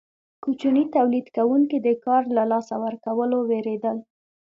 کوچني تولید کوونکي د کار له لاسه ورکولو ویریدل.